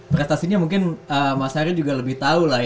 prestasinya mungkin mas hari juga lebih tau